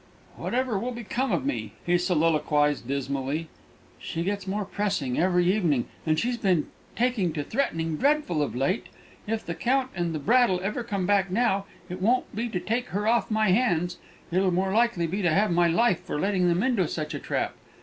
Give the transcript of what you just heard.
"Whatever will become of me?" he soliloquized dismally. "She gets more pressing every evening, and she's been taking to threatening dreadful of late.... If the Count and that Braddle ever come back now, it won't be to take her off my hands; it'll more likely be to have my life for letting them into such a trap.